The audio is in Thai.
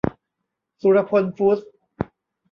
สุรพลฟู้ดส์